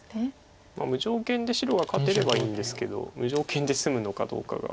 無条件で白が勝てればいいんですけど無条件で済むのかどうかが。